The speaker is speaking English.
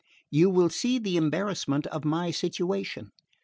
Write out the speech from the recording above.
You will see the embarrassment of my situation.